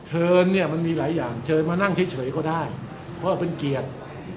เชิญเนี่ยมันมีหลายอย่างเชิญมานั่งเฉยก็ได้เพราะเป็นเกียรติ